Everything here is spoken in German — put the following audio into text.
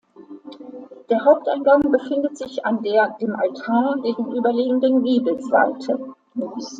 Der Haupteingang befindet sich an der dem Altar gegenüberliegenden Giebelseite.